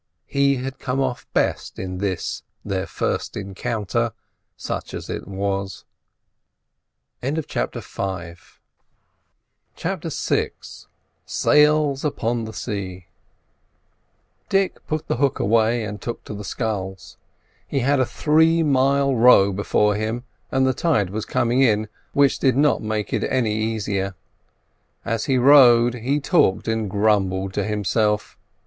He had come off best in this their first encounter—such as it was. CHAPTER VI SAILS UPON THE SEA Dick put the hook away and took to the sculls. He had a three mile row before him, and the tide was coming in, which did not make it any the easier. As he rowed, he talked and grumbled to himself.